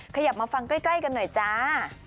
ขยับมาฟังใกล้กันหน่อยจ้า